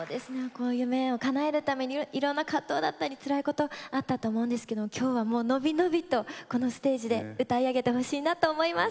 夢をかなえるためにいろんな葛藤やつらいことあったと思うんですけど今日は、伸び伸びとこのステージで歌い上げてほしいなと思います。